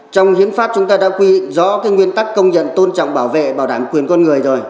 trong hiến pháp chúng ta đã quy định rõ nguyên tắc công nhận tôn trọng bảo vệ bảo đảm quyền con người rồi